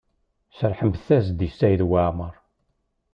Serrḥemt-as-d i Saɛid Waɛmaṛ.